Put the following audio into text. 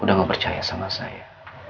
sudah mempercaya sama saya